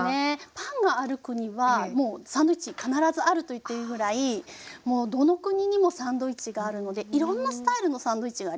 パンがある国はもうサンドイッチ必ずあると言っていいぐらいもうどの国にもサンドイッチがあるのでいろんなスタイルのサンドイッチがありますよね。